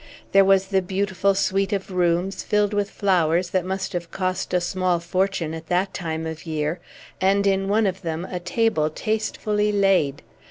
There was the beautiful suite of rooms, filled with flowers that must have cost a small fortune at that time of year, and in one of them a table tastefully laid.